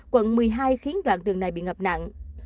quận một mươi hai khiến đoạn đường này bị ngập nặng